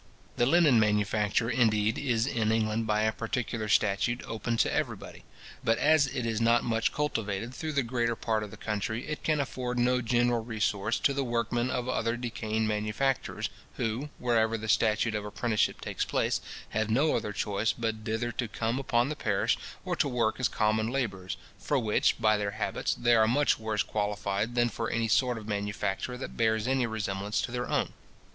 The linen manufacture, indeed, is in England, by a particular statute, open to every body; but as it is not much cultivated through the greater part of the country, it can afford no general resource to the work men of other decaying manufactures, who, wherever the statute of apprenticeship takes place, have no other choice, but either to come upon the parish, or to work as common labourers; for which, by their habits, they are much worse qualified than for any sort of manufacture that bears any resemblance to their own.